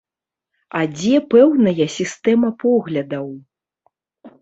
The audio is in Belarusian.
А дзе пэўная сістэма поглядаў?